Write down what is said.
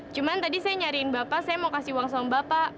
cuma tadi saya nyariin bapak saya mau kasih uang sama bapak